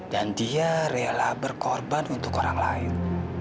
dan dia rela berkorban untuk orang lain